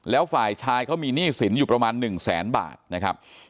แล้วฝ่ายชายเขามีหนี้สินอยู่ประมาณ๑แสนบาทนะครับ